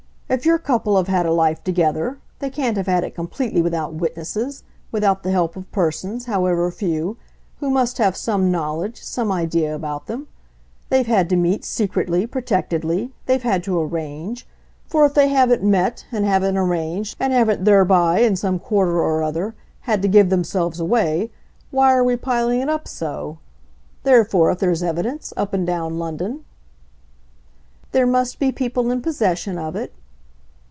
If your couple have had a life together, they can't have had it completely without witnesses, without the help of persons, however few, who must have some knowledge, some idea about them. They've had to meet, secretly, protectedly, they've had to arrange; for if they haven't met, and haven't arranged, and haven't thereby, in some quarter or other, had to give themselves away, why are we piling it up so? Therefore if there's evidence, up and down London " "There must be people in possession of it?